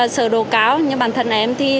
sở đồ cáo nhưng bản thân em